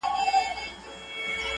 دغه سُر خالقه دغه تال کي کړې بدل.